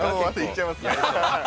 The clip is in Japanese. いっちゃいますね。